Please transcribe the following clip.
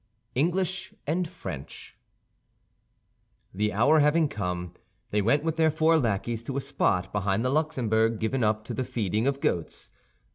ENGLISH AND FRENCH The hour having come, they went with their four lackeys to a spot behind the Luxembourg given up to the feeding of goats.